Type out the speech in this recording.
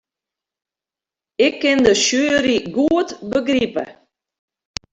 Ik kin de sjuery goed begripe.